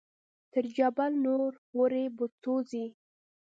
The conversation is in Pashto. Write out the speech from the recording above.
تر جبل نور پورې په څو ځې.